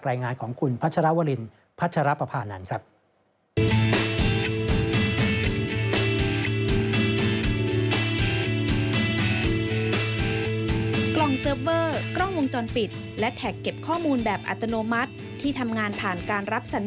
รายงานของคุณพัชรวรินพัชรปภานันทร์ครับ